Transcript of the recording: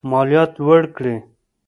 مالیات لوړ کړي.